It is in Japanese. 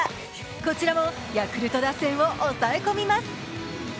こちらもヤクルト打線を押さえ込みます。